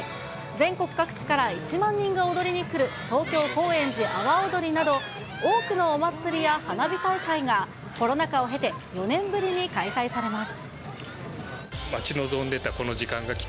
全国各地から１万人が踊りに来る、東京高円寺阿波阿波おどりなど、多くのお祭りや花火大会がコロナ禍を経て、４年ぶりに開催されます。